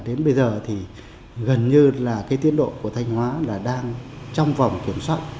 đến bây giờ thì gần như là cái tiến độ của thanh hóa là đang trong vòng kiểm soát